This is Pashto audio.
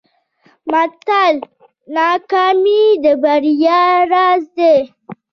متل: ناکامي د بریا راز دی.